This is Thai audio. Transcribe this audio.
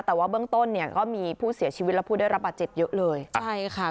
แต่ว่าเบื้องต้นเนี่ยก็มีผู้เสียชีวิตและผู้ได้รับบาดเจ็บเยอะเลยใช่ค่ะ